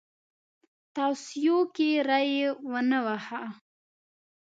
توصیو کې ری ونه واهه.